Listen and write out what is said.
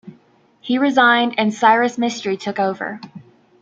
He resigned and Cyrus Mistry took over.